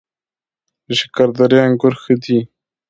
د شکردرې انګور ښه دي